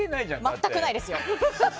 全くないですよ。